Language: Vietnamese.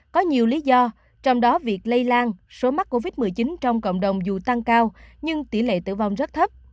có nhiều lý do trong đó việc lây lan số mắc covid một mươi chín trong cộng đồng dù tăng cao nhưng tỷ lệ tử vong rất thấp